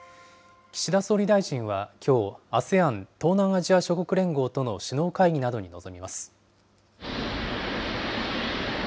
岸田総理大臣はきょう、ＡＳＥＡＮ・東南アジア諸国連合との首脳会議などに臨みます。